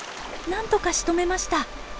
なんとかしとめました。